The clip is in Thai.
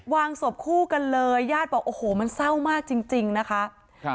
ศพคู่กันเลยญาติบอกโอ้โหมันเศร้ามากจริงจริงนะคะครับ